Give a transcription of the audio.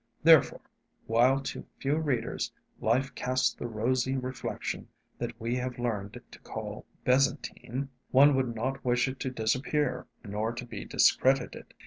Therefore, while to few readers life casts the rosy reflection that we have learned to call Besantine, one would not wish it to disappear nor to be discredited.